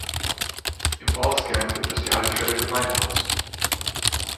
Im Ortskern gibt es die Haltestelle Gemeindehaus.